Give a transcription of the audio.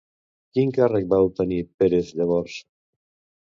Quin càrrec va obtenir Pérez llavors?